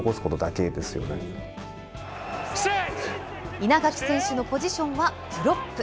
稲垣選手のポジションはプロップ。